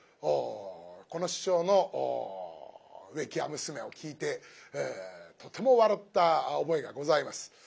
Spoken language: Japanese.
この師匠の「植木屋娘」を聴いてとても笑った覚えがございます。